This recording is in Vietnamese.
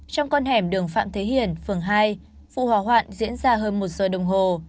trong con hẻm đường phạm thế hiển phường hai vụ hỏa hoạn diễn ra hơn một giờ đồng hồ